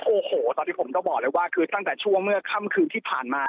โอ้โหตอนนี้ผมต้องบอกเลยว่าคือตั้งแต่ช่วงเมื่อค่ำคืนที่ผ่านมา